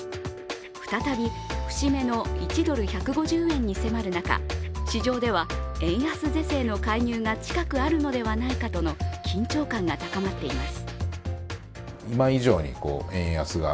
再び節目の１ドル＝１５０円に迫る中、市場では円安是正の介入が近くあるのではないかとの緊張感が高まっています。